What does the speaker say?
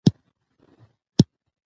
مړی یې باید د بې وطنه په نوم ونه رټي.